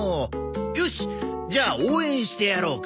よしじゃあ応援してやろうか？